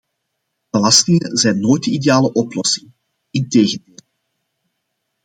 Belastingen zijn nooit de ideale oplossing, integendeel!